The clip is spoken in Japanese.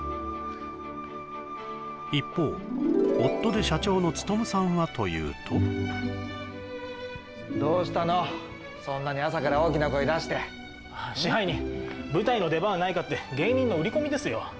一方夫で社長の勉さんはというとどうしたのそんなに朝から大きな声出して支配人舞台の出番はないかって芸人の売り込みですよ